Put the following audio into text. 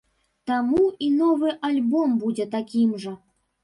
Таму і новы альбом будзе такім жа.